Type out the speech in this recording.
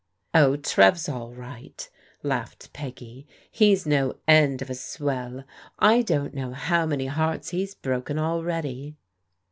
"Oh, Trev's all right," laughed Peggy. "He's no end of a swell. I don't know how many hearts he's broken already."